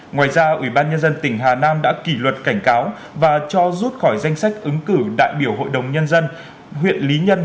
ngoài ra ủy ban nhân dân tỉnh hà nam đã kỷ luật cảnh cáo và cho rút khỏi danh sách ứng cử đại biểu hội đồng nhân dân huyện lý nhân